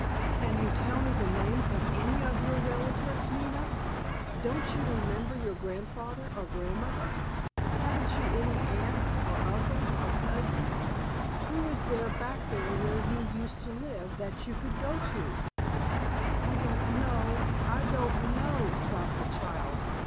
"Can you tell me the names of any of your relatives, Nina? Don't you remember your grandfather or grandmother? Haven't you any aunts or uncles or cousins? Who is there back there where you used to live that you could go to?" "I don't know, I don't know!" sobbed the child.